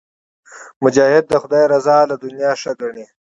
مجاهد د خدای رضا له دنیا ښه ګڼي.